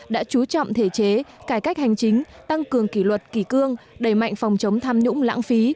đã chú trọng thể chế cải cách hành chính tăng cường kỷ luật kỷ cương đẩy mạnh phòng chống tham nhũng lãng phí